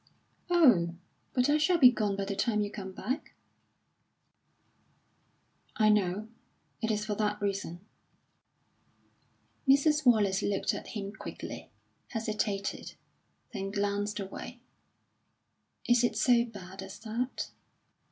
"Oh, but I shall be gone by the time you come back." "I know. It is for that reason." Mrs. Wallace looked at him quickly, hesitated, then glanced away. "Is it so bad as that?"